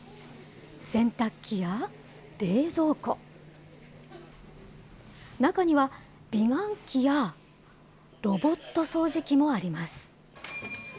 洗濯機や冷蔵庫、中には美顔器やロボット掃除機もあります。